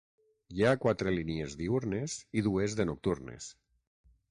Hi ha quatre línies diürnes i dues de nocturnes.